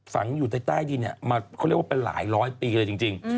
ฝังอยู่ในใต้ดินมาเขาเรียกว่าเป็นหลายร้อยปีเลยจริง